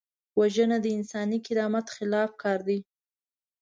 وژنه د انساني کرامت خلاف کار دی